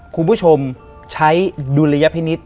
คุณผู้ชมใช้ดุลยพินิษฐ